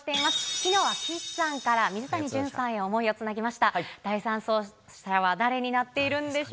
きのうは岸さんから水谷隼さんへ想いをつなぎました。